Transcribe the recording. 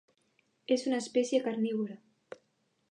És una espècie carnívora.